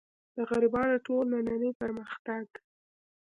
د غربیانو ټول نننۍ پرمختګ.